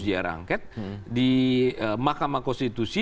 diarah angket di makamah konstitusi